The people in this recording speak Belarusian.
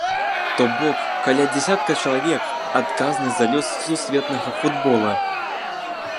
То бок, каля дзясятка чалавек, адказных за лёс сусветнага футбола.